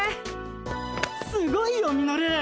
すごいよミノル！